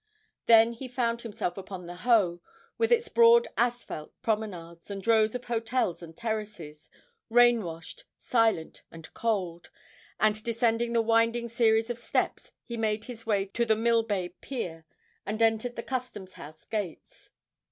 Then he found himself upon the Hoe, with its broad asphalt promenades and rows of hotels and terraces, rain washed, silent, and cold, and descending the winding series of steps, he made his way to the Millbay Pier, and entered the Custom House gates.